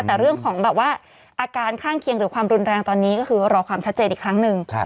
แต่เรื่องของแบบว่าอาการข้างเคียงหรือความรุนแรงตอนนี้ก็คือรอความชัดเจนอีกครั้งหนึ่ง